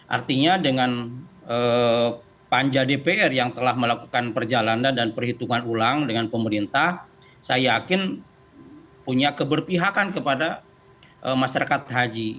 artinya dengan panja dpr yang telah melakukan perjalanan dan perhitungan ulang dengan pemerintah saya yakin punya keberpihakan kepada masyarakat haji